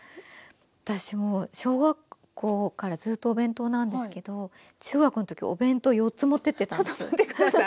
私もう小学校からずっとお弁当なんですけど中学の時お弁当４つ持ってってたんです。